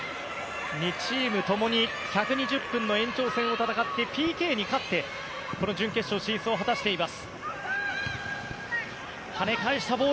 ２チームともに１２０分の延長戦を戦ってＰＫに勝って、この準決勝進出を果たしています。